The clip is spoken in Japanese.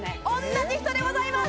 同じ人でございます！